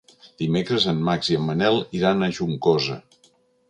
Dimecres en Max i en Manel iran a Juncosa.